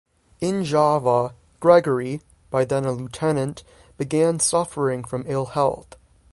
In Java, Gregory, by then a lieutenant, began suffering from ill health.